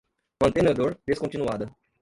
mantenedor, descontinuada